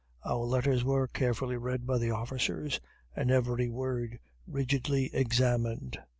Our letters were carefully read by the officers, and every word rigidly examined.